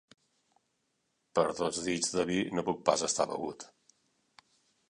Per dos dits de vi, no puc pas estar begut.